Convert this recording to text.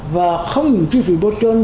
và không những chi phí bôi trơn